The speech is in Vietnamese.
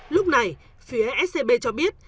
lúc này phía scb cho biết